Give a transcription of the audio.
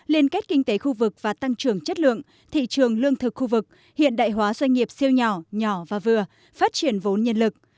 liên kết kinh tế khu vực và tăng trưởng chất lượng thị trường lương thực khu vực hiện đại hóa doanh nghiệp siêu nhỏ nhỏ và vừa phát triển vốn nhân lực